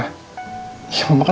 terus jiho bisa apa